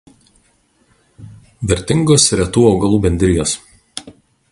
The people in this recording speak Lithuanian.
Vertingos retų augalų bendrijos.